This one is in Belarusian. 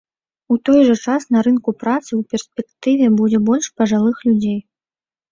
У той жа час на рынку працы ў перспектыве будзе больш пажылых людзей.